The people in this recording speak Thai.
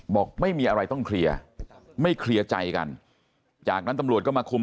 บอกไม่มีอะไรต้องเคลียร์ไม่เคลียร์ใจกันจากนั้นตำรวจก็มาคุม